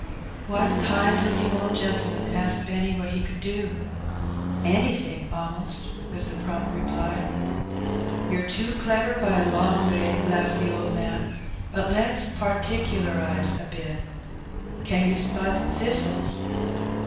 One kind looking old gentleman asked Benny what he could do. "* The Border Land. 217 <c Anything almost/' was the prompt reply. "You're too clever by a long way," laughed the old man; "but let's perticlerize a bit. Can you spud thistles?''